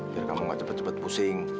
biar kamu nggak cepet cepet pusing